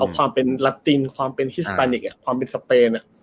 ความเป็นลัตติงความเป็นฮิสปานิคความเป็นสเปน